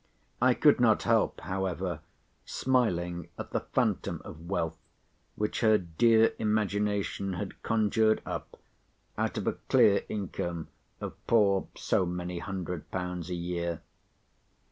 I could not help, however, smiling at the phantom of wealth which her dear imagination had conjured up out of a clear income of poor—hundred pounds a year.